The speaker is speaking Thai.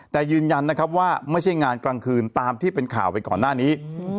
แต่ยืนยันนะครับว่าไม่ใช่งานกลางคืนตามที่เป็นข่าวไปก่อนหน้านี้